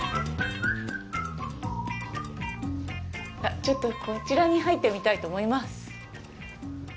ちょっとこちらに入ってみたいと思います。